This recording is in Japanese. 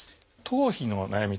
頭皮の悩み